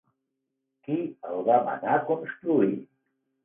Qui el va manar construir?